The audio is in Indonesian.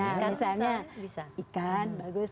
nah misalnya ikan bagus